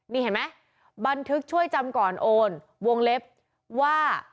นี่เห็นไหมบันทึกช่วยจำก่อนโอนวงเล็บว่า